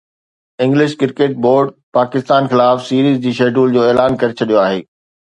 English cricket board Pakistan خلاف series جي schedule جو اعلان ڪري ڇڏيو آهي